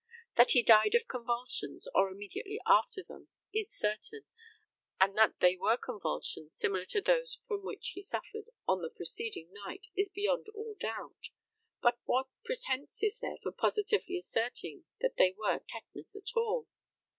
That he died of convulsions, or immediately after them, is certain, and that they were convulsions similar to those from which he suffered on the preceding night, is beyond all doubt. But what pretence is there for positively asserting that they were tetanus at all?